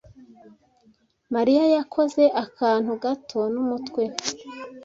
Mariya yakoze akantu gato n'umutwe.